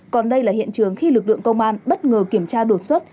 còn đây là hiện trường khi lực lượng công an bất ngờ kiểm tra đột xuất